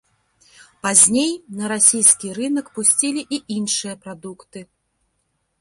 Пазней на расійскі рынак пусцілі і іншыя прадукты.